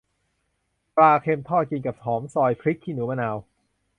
ปลาเค็มทอด กินกับหอมซอย พริกขี้หนู มะนาว